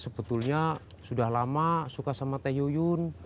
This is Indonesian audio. sebetulnya sudah lama suka sama teh yuyun